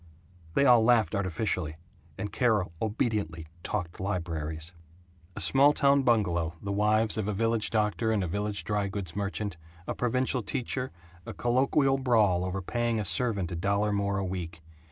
They all laughed artificially, and Carol obediently "talked libraries." A small town bungalow, the wives of a village doctor and a village dry goods merchant, a provincial teacher, a colloquial brawl over paying a servant a dollar more a week.